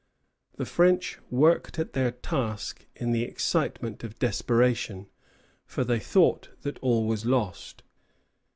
The French worked at their task in the excitement of desperation, for they thought that all was lost.